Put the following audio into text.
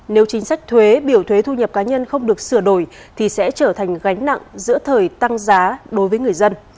nếu chính sách thuế biểu thuế thu nhập cá nhân không được sửa đổi thì sẽ trở thành gánh nặng giữa thời tăng giá đối với người dân